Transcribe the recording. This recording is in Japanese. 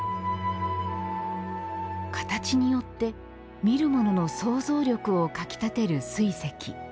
形によって見る者の想像力をかき立てる水石。